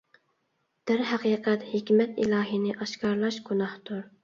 دەرھەقىقەت، ھېكمەت ئىلاھىنى ئاشكارىلاش گۇناھتۇر.